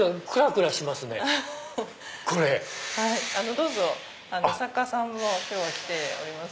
どうぞ作家さんも来ておりますので。